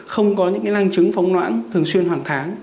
không có những năng trứng phóng noãn thường xuyên hoàng tháng